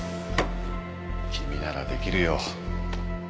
君ならできるよ。